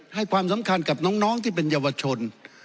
ให้ความสำคัญกับน้องที่เป็นเยาวชน